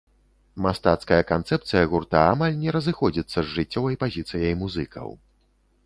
Мастацкая канцэпцыя гурта амаль не разыходзіцца з жыццёвай пазіцыяй музыкаў.